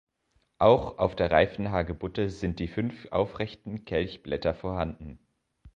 Auch auf der reifen Hagebutte sind die fünf aufrechten Kelchblätter vorhanden.